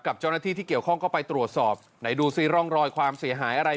กับเจ้าหน้าที่ที่เกี่ยวข้องก็ไปตรวจสอบไหนดูซิร่องรอยความเสียหายอะไร